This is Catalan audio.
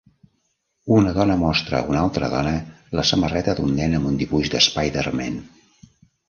Una dona mostra a una altra dona la samarreta d'un nen amb un dibuix d'Spider-Man.